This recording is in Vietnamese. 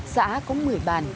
xã có một mươi bản